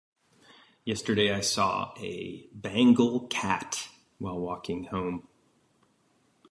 Yesterday I saw a Bengal cat while walking home.